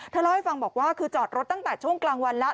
เล่าให้ฟังบอกว่าคือจอดรถตั้งแต่ช่วงกลางวันแล้ว